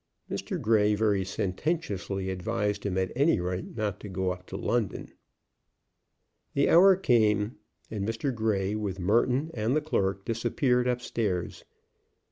Mr. Grey very sententiously advised him at any rate not to go up to London. The hour came, and Mr. Grey, with Merton and the clerk, disappeared up stairs.